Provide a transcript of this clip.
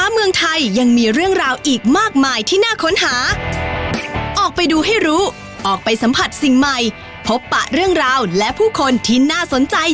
มาถึงระนองทั้งที